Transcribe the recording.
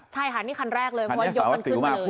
ใช่ค่ะนี่คันแรกเลยเพราะว่ายกกันขึ้นเลยคันนี้สารวัสสิวมา